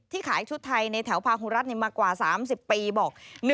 ขายชุดไทยในแถวพาหูรัฐมากว่า๓๐ปีบอก